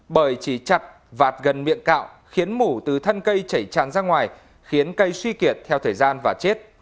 bởi chỉ chặt vạt gần miệng cạo khiến mù từ thân cây chảy tràn ra ngoài khiến cây suy kiệt theo thời gian và chết